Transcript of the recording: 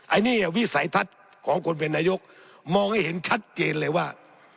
อันนี้วิสัยทัศน์ของคนเป็นนายกมองให้เห็นชัดเจนเลยว่า